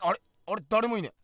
あれだれもいねえ。